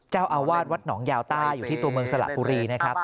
เจ้าอาวาสวัดหนองยาวใต้อยู่ที่ตัวเมืองสระบุรีนะครับ